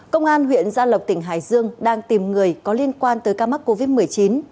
công an huyện gia lộc tỉnh hải dương đang tìm người có liên quan tới ca mắc covid một mươi chín